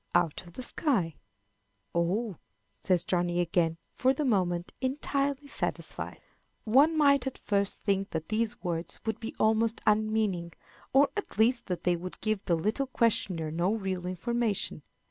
"Out of the sky." "Oh!" says Johnny again, for the moment entirely satisfied. One might at first think that these words would be almost unmeaning, or, at least, that they would give the little questioner no real information.